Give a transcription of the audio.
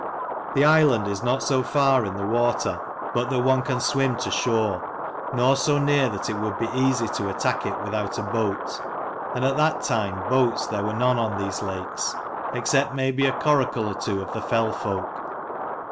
The island is not so far in the water but that 261 one can swim to shore, nor so near that it would be easy to attack it without a boat: and at that time boats there were none on these lakes, except maybe a coracle or two of the fell folk.